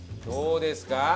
どうですか？